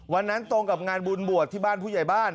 วันนั้นตรงกับงานบุญบวชที่บ้านผู้ใหญ่บ้าน